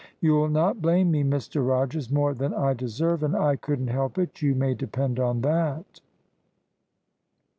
You'll not blame me, Mr Rogers, more than I deserve, and I couldn't help it, you may depend on that."